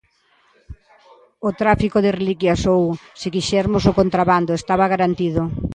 O tráfico de reliquias ou, se quixermos, o contrabando, estaba garantido.